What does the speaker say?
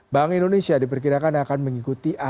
bank indonesia diperkirakan akan mengikuti